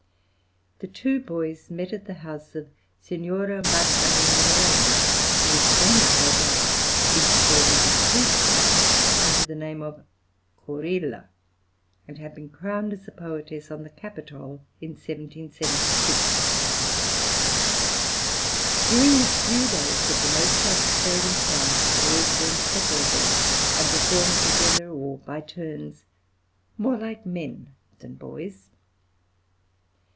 The two boys met at the house of Signora Maddalena Morelli, who was famous as an improvisatrice, under the name of Corilla, and had been crowned as a poetess on the capitol in 1776; during the {ROME, 1770 ALLEGRI'S MISERERE.} (119) few days that the Mozarts stayed in Florence the boys were inseparable, and performed together or by turns, "more like men than boys."